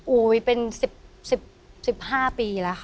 โอ้ยเป็น๑๕ปีละค่ะ